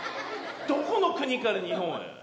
どこの国から日本へ。